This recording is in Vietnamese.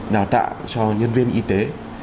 đào tạo cho nhân viên y tế